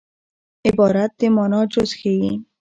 عبارت د مانا جز ښيي.